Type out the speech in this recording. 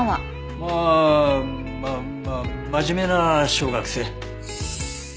まあまあまあ真面目な小学生。